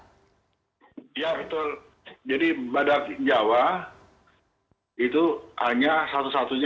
ya betul jadi badak jawa itu hanya satu satunya